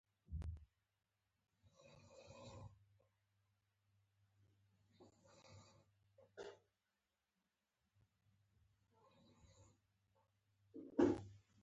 د افغانستان د اقتصادي پرمختګ لپاره پکار ده چې سیلانیان راشي.